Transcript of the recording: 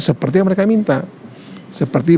seperti yang mereka minta seperti